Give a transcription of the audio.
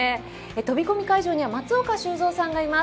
飛込会場には松岡修造さんがいます。